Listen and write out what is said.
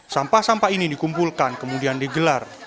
sampah sampah ini dikumpulkan kemudian digelar